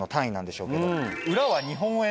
裏は。